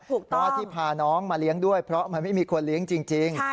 เพราะว่าที่พาน้องมาเลี้ยงด้วยเพราะมันไม่มีคนเลี้ยงจริง